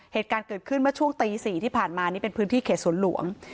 เหตุการณ์เกิดขึ้นเมื่อช่วงตี๔ที่ผ่านมานี่เป็นพื้นที่เขตสวนหลวง